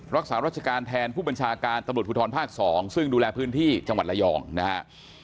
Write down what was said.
รักษารัชการแทนผู้บัญชาการตำรวจภูทรภาค๒ซึ่งดูแลพื้นที่จังหวัดระยองนะฮะ